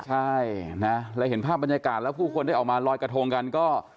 ใช่นะเราเห็นภาพบรรยากาศแล้วผู้คนได้ออกมาลอยกระทงกันก็